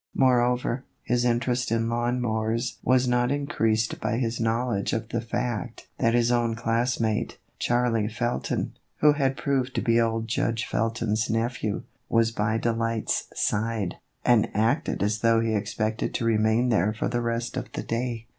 Morever, his interest in lawn mowers was not increased by his knowledge of the fact that his own classmate, Charlie Felton, who had proved to be old Judge Felton's nephew, was by Delight's side, and acted as though he expected to remain there for the rest of the day.